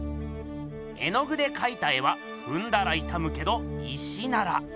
絵の具でかいた絵はふんだらいたむけど石なら。